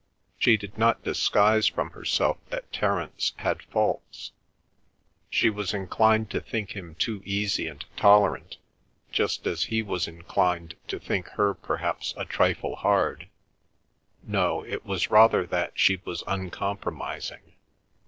She did not disguise from herself that Terence had faults. She was inclined to think him too easy and tolerant, just as he was inclined to think her perhaps a trifle hard—no, it was rather that she was uncompromising.